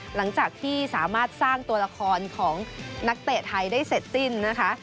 หลังจากที่สามารถสร้างตัวละครของนักเตะไทยได้เสร็จสิ้นนะคะ